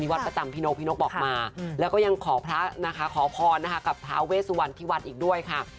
วัดประจำพี่นกพี่นกบอกมาแล้วก็ยังขอพระนะคะขอพรนะคะกับท้าเวสวันที่วัดอีกด้วยค่ะ